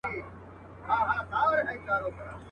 د مظلوم چیغي چا نه سوای اورېدلای.